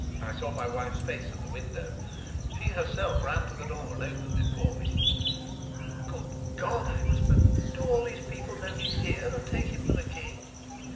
I saw my wife's face at the window: she herself ran to the door and opened it for me. "Good God," I whispered, "do all these people know he's here, and take him for the king?"